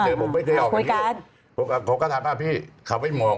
เจอผมไม่เคยออกหยัดนี้ผมก็ถามว่าพี่เขาไปมองถ๑๙๗๕